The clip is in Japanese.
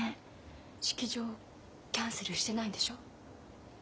式場キャンセルしてないんでしょ？